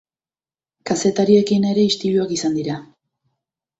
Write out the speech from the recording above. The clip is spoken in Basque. Kazetariekin ere istiluak izan dira.